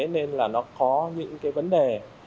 nên là nó có những cái vấn đề